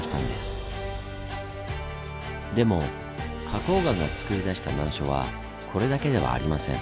でも花崗岩がつくり出した難所はこれだけではありません。